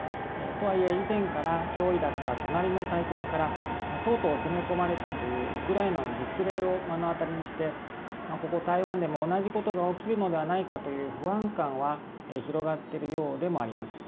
とはいえ以前から脅威だった隣の大国からとうとう攻め込まれたというウクライナの実例を目の当たりにしてここ、台湾でも同じことが起きるのではないかという不安感は広がっているようでもあります。